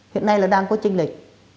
hiện nay là đang có tranh lệch